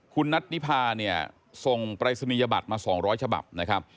คุณนัทนิพาส่งปรัศนียบัตรมา๒๐๐ฉบับ